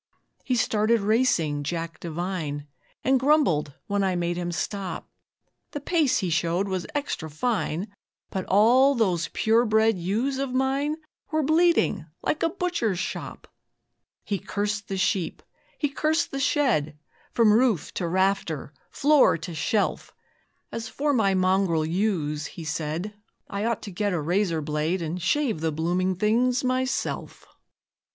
He started racing Jack Devine, And grumbled when I made him stop. The pace he showed was extra fine, But all those pure bred ewes of mine Were bleeding like a butcher's shop. He cursed the sheep, he cursed the shed, From roof to rafter, floor to shelf; As for my mongrel ewes, he said, I ought to get a razor blade And shave the blooming things myself.